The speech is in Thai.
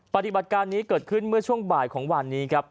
ปฏิบัติการนี้เกิดขึ้นเมื่อช่วงบ่ายของวันนี้ครับ